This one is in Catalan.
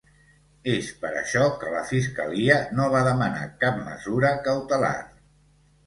És per això que la fiscalia no va demanar cap mesura cautelar.